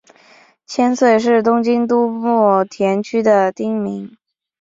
千岁是东京都墨田区的町名。